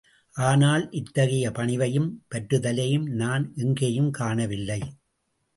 ஆனால், இத்தகைய பணிவையும், பற்றுதலையும் நான் எங்கேயும் காணவில்லை.